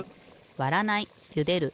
わらないゆでる